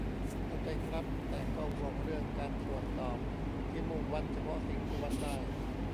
เข้าใจครับ. แต่ก็ห่วงเรื่องการตรวจสอบที่มุ่งวัดเฉพาะสิ่งที่วัดได้.